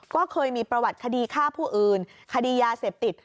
ก็เคยมีประวัติคดีฆ่าผู้อื่นคดียาเสพติด